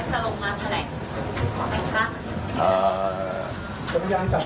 จะใช้ที่นี้นะครับ